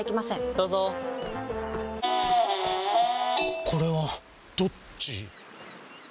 どうぞこれはどっち？